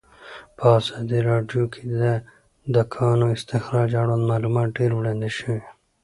په ازادي راډیو کې د د کانونو استخراج اړوند معلومات ډېر وړاندې شوي.